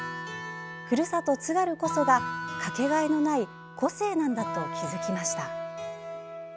ふるさと津軽こそがかけがえのない個性なんだと気づきました。